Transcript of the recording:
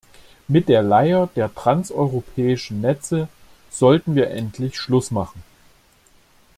Mit der Leier der transeuropäischen Netze sollten wir endlich Schluss machen.